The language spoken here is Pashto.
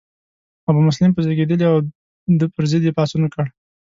ابومسلم په زیږیدلی او د پر ضد یې پاڅون وکړ.